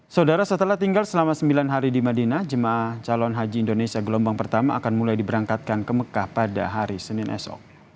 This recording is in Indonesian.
saudara setelah tinggal selama sembilan hari di madinah jemaah calon haji indonesia gelombang pertama akan mulai diberangkatkan ke mekah pada hari senin esok